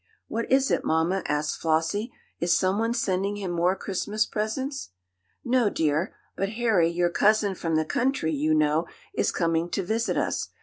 "What is it, mamma?" asked Flossie. "Is someone sending him more Christmas presents?" "No, dear, but Harry, your cousin from the country, you know, is coming to visit us.